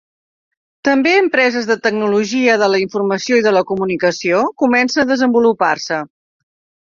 També empreses de tecnologia de la informació i de la comunicació comencen a desenvolupar-se.